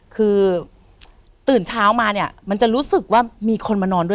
คือตื่นเช้ามาเนี่ยมันจะรู้สึกว่ามีคนมานอนด้วย